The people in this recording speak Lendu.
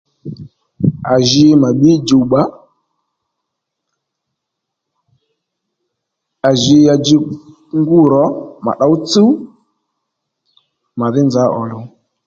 À jǐ mà bbǐ jùbba............. à ji ya dji ngú ro mà ddǒw tsúw mà dhí nza ò luw